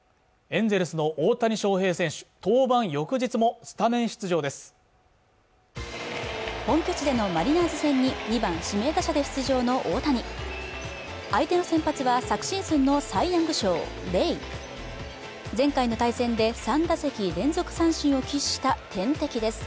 エンゼルスの大谷翔平選手登板翌日もスタメン出場です本拠地でのマリナーズ戦に２番指名打者で出場の大谷相手の先発は昨シーズンのサイ・ヤング賞、レイ前回の対戦で３打席連続三振を喫した天敵です